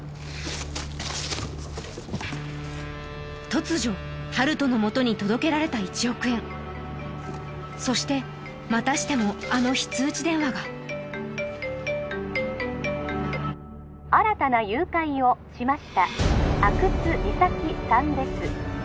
突如温人のもとに届けられた１億円そしてまたしてもあの非通知電話が☎新たな誘拐をしました☎阿久津実咲さんです